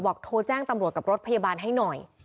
โทรแจ้งตำรวจกับรถพยาบาลให้หน่อย